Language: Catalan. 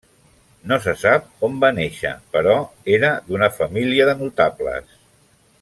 No se sap on va néixer però era d'una família de notables.